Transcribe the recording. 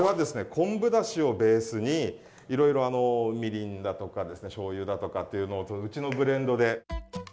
昆布だしをベースにいろいろみりんだとかですねしょうゆだとかっていうのをうちのブレンドで。